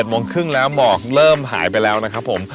แต่ประมาณ๗โมงครึ่งแล้วหมอกเริ่มหายไปแล้วนะครับผม